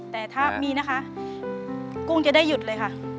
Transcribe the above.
แต่ถ้ามีนะคะกุ้งจะได้หยุดเลยค่ะ